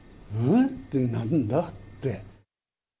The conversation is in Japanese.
って、なんだ？って。